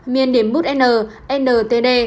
miền điểm bút n ntd